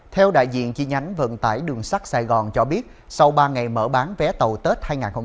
theo đại diện chi nhánh vận tải đường sắt sài gòn cho biết sau ba ngày mở bán vé tàu tết hai nghìn hai mươi bốn